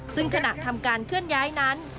ซึ่งขณะทำการเคลื่อนย้ายนั้น